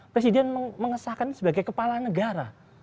presiden mengesahkan sebagai kepala negara